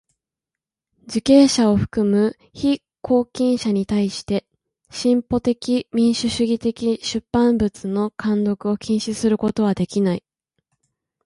受刑者を含む被拘禁者にたいして進歩的民主主義的出版物の看読を禁止することはできない。